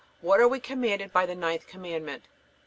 What are we commanded by the ninth Commandment?